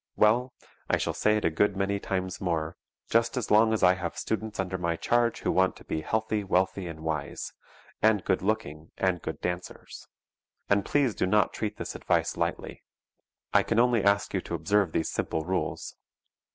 Well, I shall say it a good many times more, just as long as I have students under my charge who want to be "healthy, wealthy and wise" and good looking and good dancers. And please do not treat this advice lightly. I can only ask you to observe these simple rules.